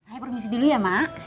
saya permisi dulu ya mak